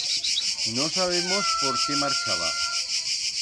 No sabemos por qué marchaba.